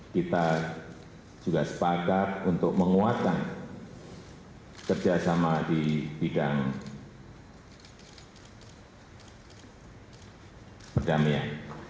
kita juga sepakat untuk menguatkan kerjasama di bidang perdamaian